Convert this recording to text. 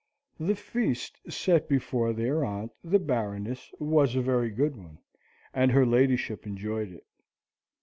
The feast set before their aunt, the Baroness, was a very good one, and her ladyship enjoyed it.